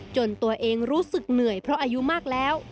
จนตัวเองรู้สึกเหนื่อยเพราะอายุมากแล้ว